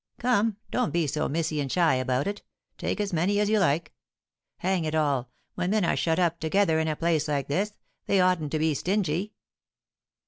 Come, don't be so missy and shy about it; take as many as you like. Hang it all, when men are shut up together in a place like this, they oughtn't to be stingy."